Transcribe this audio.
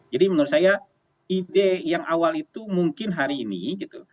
jadi menurut saya ide yang awal itu mungkin hari ini gitu